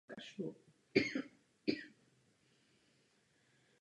Pěstuje se i na vánoční stromky.